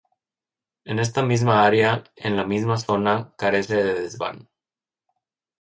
En esta misma área, en la misma zona, carece de desván.